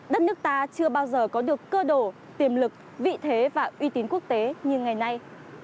đất nước ta chưa bao giờ có được cơ đồ tiềm lực vị thế và uy tín quốc tế như ngày nay